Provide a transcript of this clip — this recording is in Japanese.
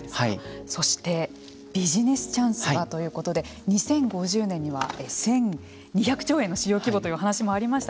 そしてビジネスチャンスはということで２０５０年には１２００兆円の市場規模という話もありました